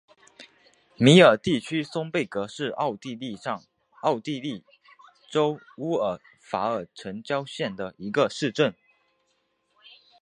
米尔地区松贝格是奥地利上奥地利州乌尔法尔城郊县的一个市镇。